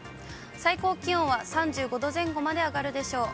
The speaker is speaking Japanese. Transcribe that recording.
最高気温は３５度前後まで上がるでしょう。